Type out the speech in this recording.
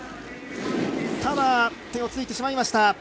ただ、手をついてしまいました。